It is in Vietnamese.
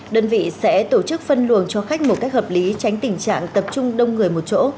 đơn vị sẽ tổ chức phân luồng cho khách một cách hợp lý tránh tình trạng tập trung đông người một chỗ